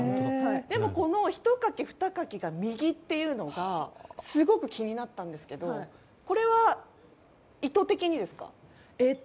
でも、ひとかき、ふたかきが右というのがすごく気になったんですけどこれは、意図的にですか？